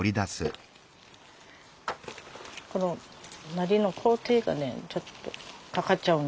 このナリの工程がねちょっとかかっちゃうんで。